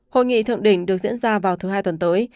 hội nghị thượng đỉnh được diễn ra vào thứ hai tuần tới